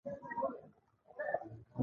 لاندې یوه تاخانه غوندې ځای دی.